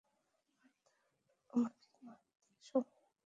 আর আমাকে মারতেও সময় নিয়েছিল সে।